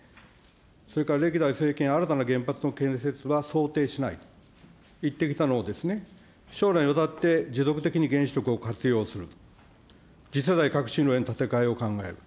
それから歴代政権、新たな原発の建設は想定しないと言ってきたのを、将来にわたって持続的に原子力を活用する、次世代革新炉建て替えを考える。